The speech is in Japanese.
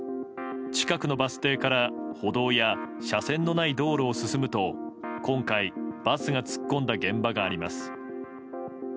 近くのバス停から歩道や車線のない道路を進むと今回、バスが突っ込んだ現場があります。